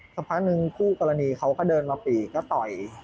สักพักหนึ่งคู่กรณีเขาก็เดินมาปีกก็ต่อย